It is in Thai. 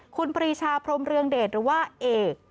คุณปรีชาพรมเรืองเดชหรือว่าเอก